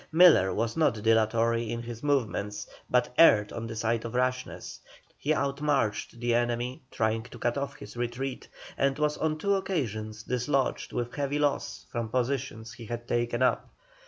Miller was not dilatory in his movements, but erred on the side of rashness; he outmarched the enemy, trying to cut off his retreat, and was on two occasions dislodged with heavy loss from positions he had taken up.